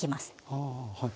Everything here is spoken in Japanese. ああはい。